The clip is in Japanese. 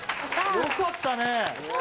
よかった。